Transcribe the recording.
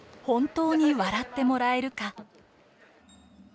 本当に笑ってもらえるか。